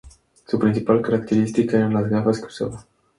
Su principal característica eran las gafas que usaba.